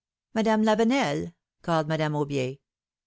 " Madame Lavenel !" called Madame Aubier.